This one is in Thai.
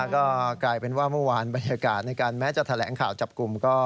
ก็กลายเป็นว่าเมื่อวานบรรยากาศในการแม้จะแถลงข่าวจับกลุ่มก็